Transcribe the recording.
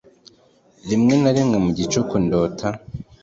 rimwe na rimwe mu gicuku ndota